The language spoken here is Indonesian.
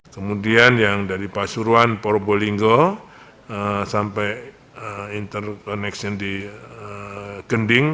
kemudian yang dari pasuruan porbolinggo sampai interconnection di gending